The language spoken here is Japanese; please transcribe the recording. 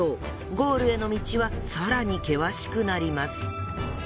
ゴールへの道は更に険しくなります。